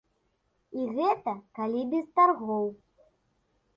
І гэта калі без таргоў.